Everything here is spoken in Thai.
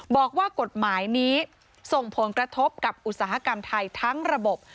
บอกว่ากฎหมายนี้ส่งผลกระทบกับอุตสาหกรรมไทยทั้งระบบ